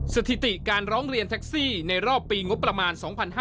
สถิติการร้องเรียนแท็กซี่ในรอบปีงบประมาณ๒๕๕๙